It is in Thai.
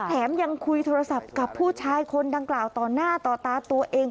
แถมยังคุยโทรศัพท์กับผู้ชายคนดังกล่าวต่อหน้าต่อตาตัวเอง